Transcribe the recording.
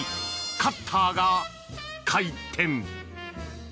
カッターが回転。